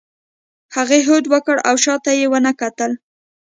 هغې هوډ وکړ او شا ته یې ونه کتل.